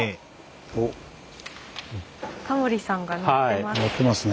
タモリさんが乗ってます。